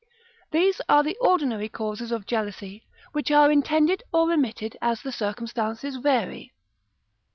These are the ordinary causes of jealousy, which are intended or remitted as the circumstances vary.